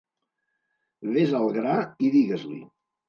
Vés al gra i digues-li.